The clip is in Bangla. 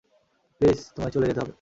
প্লিজ, তোমায় চলে যেতে হবে।